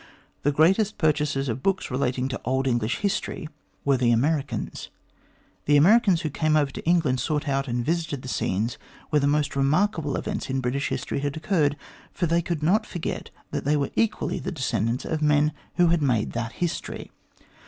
The greatest purchasers of books relating to old English history were the Americans. The Americans who came over to England sought out and visited the scenes where the most remark able events in British history had occurred, for they could not forget that they were equally the descendants of the men who had made that history.